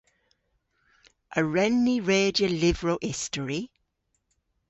A wren ni redya lyvrow istori?